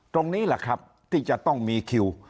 ตรงนี้แหละครับที่จะต้องมีคิว